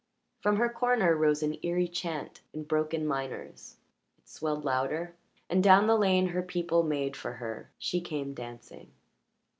From her corner rose an eerie chant in broken minors; it swelled louder, and down the lane her people made for her she came dancing.